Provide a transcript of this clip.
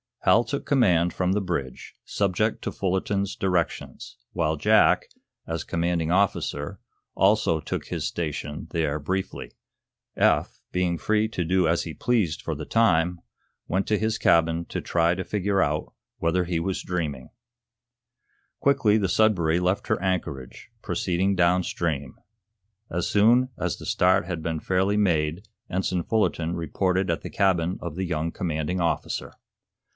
Hal took command from the bridge, subject to Fullerton's directions, while Jack, as commanding officer, also took his station there briefly. Eph, being free to do as he pleased for the time, went to his cabin to try to figure out whether he were dreaming. Quickly the "Sudbury" left her anchorage, proceeding downstream. As soon as the start had been fairly made Ensign Fullerton reported at the cabin of the young commanding officer.